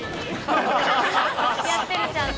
やってる、ちゃんと。